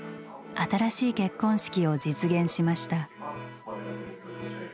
新しい結婚式を実現しました。